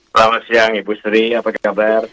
selamat siang ibu sri apa kabar